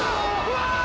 うわ！